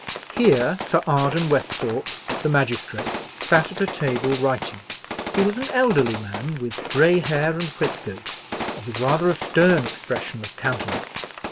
Here Sir Arden Westhorpe, the magistrate, sat at a table writing. He was an elderly man, with grey hair and whiskers, and with rather a stern expression of countenance.